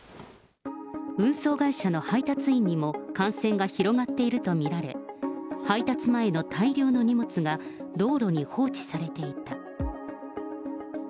運送会社の配達員にも感染が広がっていると見られ、配達前の大量の荷物が道路に放置されていた。